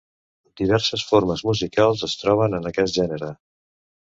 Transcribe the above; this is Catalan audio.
Diverses formes musicals es troben en aquest gènere.